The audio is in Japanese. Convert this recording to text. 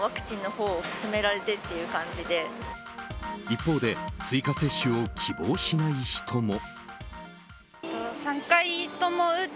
一方で追加接種を希望しない人も。